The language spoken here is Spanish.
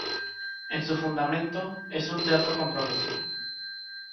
En su fundamento, es un teatro comprometido.